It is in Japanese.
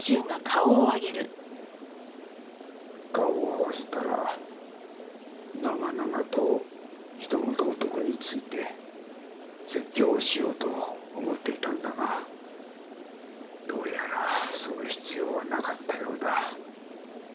顔を合わせたら長々と人の道徳について説教しようと思っていたんだがどうやらその必要はなかったようだ。